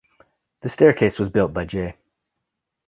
The staircase was built by J.